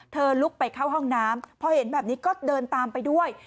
ลุกไปเข้าห้องน้ำพอเห็นแบบนี้ก็เดินตามไปด้วย